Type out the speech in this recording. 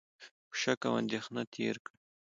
په شک او اندېښنه تېر کړ،